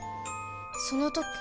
その時